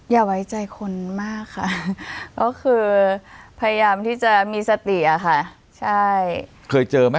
อย่าไว้ใจคนมากค่ะเพราะคือพยายามที่จะมีสติอะค่ะ